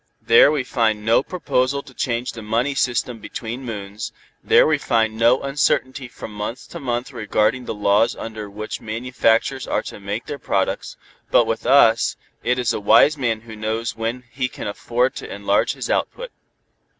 There we find no proposal to change the money system between moons, there we find no uncertainty from month to month regarding the laws under which manufacturers are to make their products, but with us, it is a wise man who knows when he can afford to enlarge his output.